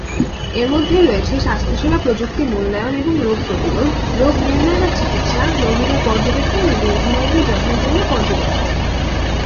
এর মধ্যে রয়েছে স্বাস্থ্যসেবা প্রযুক্তি মূল্যায়ন এবং রোগ প্রতিরোধ, রোগ নির্ণয় বা চিকিৎসা, রোগীদের পর্যবেক্ষণ বা দীর্ঘমেয়াদী যত্নের জন্য পর্যবেক্ষণ।